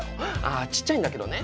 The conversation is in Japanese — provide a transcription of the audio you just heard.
あちっちゃいんだけどね。